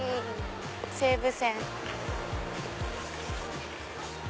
西武線。